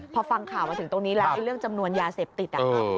พอฟังข่าวมาถึงตรงนี้แล้วเรื่องจำนวนยาเสพติดนะครับ